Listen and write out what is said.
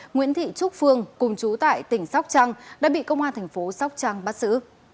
nguyễn thị trúc phương cùng chú tại tỉnh sóc trăng đã bị công an thành phố sóc trăng bắt giữ